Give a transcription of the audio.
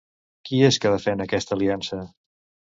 Qui és que defèn aquesta aliança?